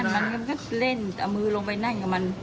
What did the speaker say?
มันก็เล่นเอามือลงไปนั่งกับมัน